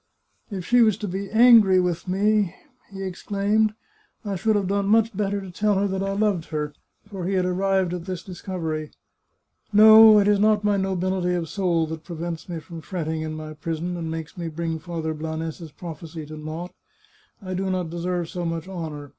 " If she was to be angry with me," he exclaimed, " I should have done much better to tell her that I loved her," for he had arrived at this discovery. " No, it is not my nobility of soul that prevents me from fretting in my prison, and makes me bring Father Blanes's prophecy to naught. I do not deserve so much honour.